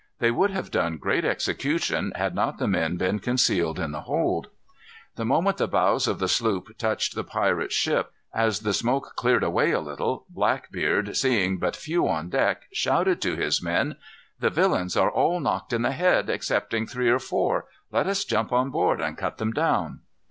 They would have done great execution had not the men been concealed in the hold. The moment the bows of the sloop touched the pirate's ship, as the smoke cleared away a little, Blackbeard, seeing but few on deck, shouted to his men: "The villains are all knocked in the head, excepting three or four. Let us jump on board and cut them down."